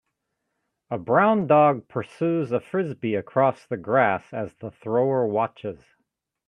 A brown dog persues a Frisbee across the grass as the thrower watches